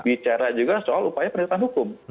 bicara juga soal upaya penegakan hukum